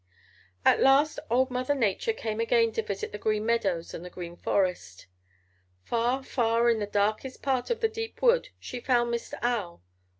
"At last old Mother Nature came again to visit the Green Meadows and the Green Forest. Far, far in the darkest part of the deep wood she found Mr. Owl.